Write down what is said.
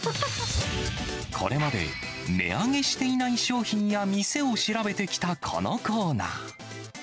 これまで、値上げしていない商品や店を調べてきたこのコーナー。